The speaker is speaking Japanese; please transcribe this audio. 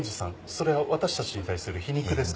それは私たちに対する皮肉ですか？